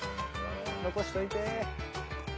残しといて。